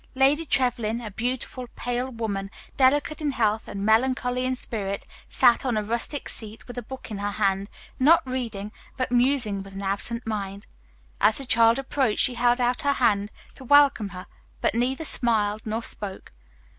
Lady Trevlyn, a beautiful, pale woman, delicate in health and melancholy in spirit, sat on a rustic seat with a book in her hand; not reading, but musing with an absent mind. As the child approached, she held out her hand to welcome her, but neither smiled nor spoke.